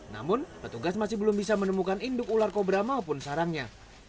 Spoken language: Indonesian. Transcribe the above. namun petugas masih belum bisa menemukan induk ular kobra maupun sarangnya